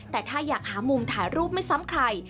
แต่ถ้าอยากหามุมถ่ายรูปไม่ซ้ำใคร